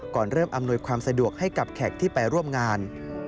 เริ่มอำนวยความสะดวกให้กับแขกที่ไปร่วมงาน